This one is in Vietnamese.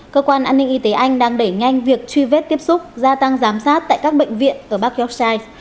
cơ quan an ninh y tế anh đang đẩy nhanh việc truy vết tiếp xúc gia tăng giám sát tại các bệnh viện ở bắc yeoscis